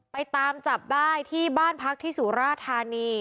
ไปตามจับได้ที่บ้านพักที่สุราธานี